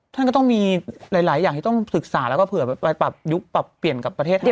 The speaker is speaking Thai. ท่านก็ต้องมีหลายอย่างที่ต้องศึกษาแล้วก็เผื่อไปปรับยุคปรับเปลี่ยนกับประเทศไทย